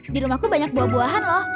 di rumahku banyak buah buahan loh